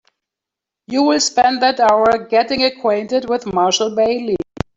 You will spend that hour getting acquainted with Marshall Bailey.